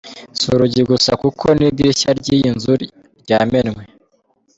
Si urugi gusa kuko n'idirishya ry'iyi nzu ryamenywe.